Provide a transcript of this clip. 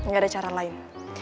gak ada cara lain